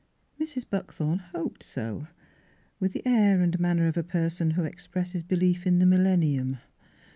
Mrs. Buckthorn hoped so^ with the air and manner of a person who expresses be lief in the millennium.